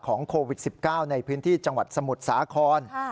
โควิด๑๙ในพื้นที่จังหวัดสมุทรสาคร